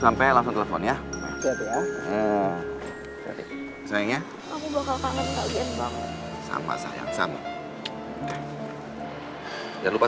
makasih ya pak